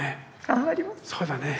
そうだねぇ。